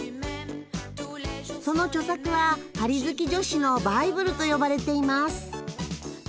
その著作はパリ好き女子のバイブルと呼ばれています。